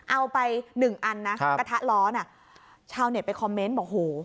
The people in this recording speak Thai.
เอาไปหนึ่งอันนะกระทะล้อน่ะชาวเน็ตไปคอมเมนต์บอกโห